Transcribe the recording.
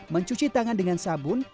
mencuci tangan dengan sabun